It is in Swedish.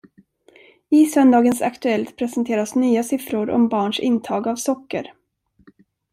I söndagens Aktuellt presenteras nya siffror om barns intag av socker.